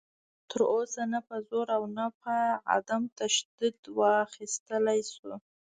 تر اوسه نه په زور او نه په عدم تشدد واخیستلی شو